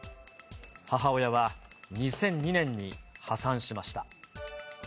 母親は２００２年に破産しました。